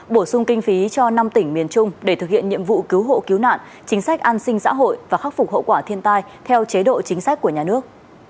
bổ sung kinh phí cho năm tỉnh miền trung để thực hiện nhiệm vụ cứu hộ cứu nạn chính sách an sinh xã hội và khắc phục hậu quả thiên tai theo chế độ chính sách của nhà nước